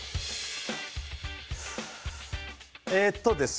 えっとですね